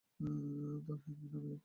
তার হেনরি নামীয় এক পুত্র রয়েছে।